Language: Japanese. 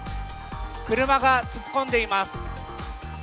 車が突っ込んでいます。